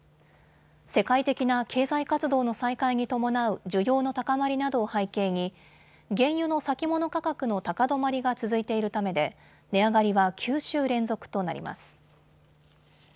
世界的な経済活動の再開に伴う需要の高まりなどを背景に原油の先物価格の高止まりが続いているためで値上がりは９週連続となります。